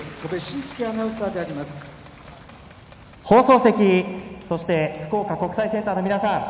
放送席、そして福岡国際センターの皆さん